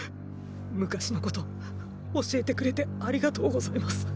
昔のこと教えてくれてありがとうございます。